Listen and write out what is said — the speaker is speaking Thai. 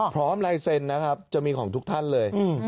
ลายเซ็นต์นะครับจะมีของทุกท่านเลย